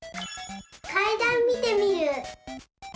「かいだん」見てみる。